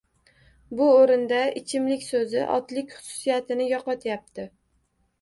Bu oʻrinda ichimlik soʻzi otlik xususiyatini yoʻqotyapti